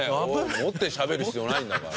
持ってしゃべる必要ないんだから。